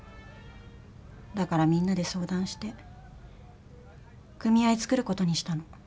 だからみんなで相談して組合作る事にしたの。